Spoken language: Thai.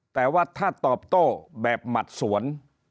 แต่ว่าถ้าตอบโต้แบบหมัดสวน